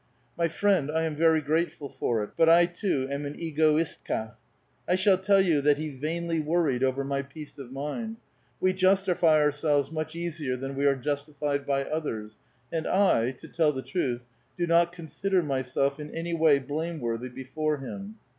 My friend, I am very grateful for it ; but I, too, am an egoistka, I shall tell you that he vainly worried over my peace of mind. We justify ourselves much easier than we are justified by others ; and I, to tell the truth,, do not consider myself in any way blameworthy before him.